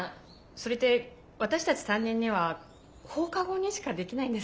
それって私たち担任には放課後にしかできないんです。